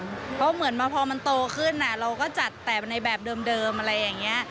เพราะเหมือนว่าพอมันโตขึ้นเราก็จัดแต่ในแบบเดิมอะไรอย่างนี้